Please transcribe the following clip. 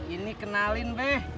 ini kenalin be